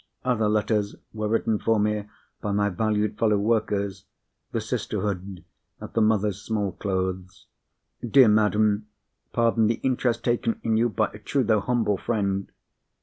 Other letters were written for me by my valued fellow workers, the sisterhood at the Mothers' Small Clothes. "Dear madam, pardon the interest taken in you by a true, though humble, friend."